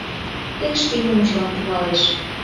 Тек шке юмыжлан кумалеш...